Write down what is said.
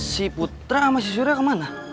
si putra sama si surya kemana